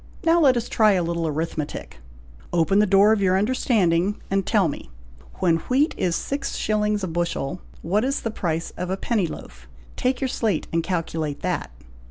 Now let us try a little arithmetic! Open the door of your understanding and tell me, when wheat is six shillings a bushel, what is the price of a penny loaf. Take your slate and calculate that."